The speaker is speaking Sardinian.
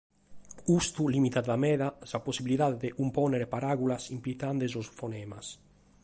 Custu lìmitat meda sa possibilidade de cumpònnere paràulas impitende sos fonemas.